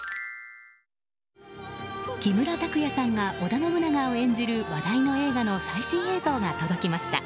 木村拓哉さんが織田信長を演じる話題の映画の最新映像が届きました。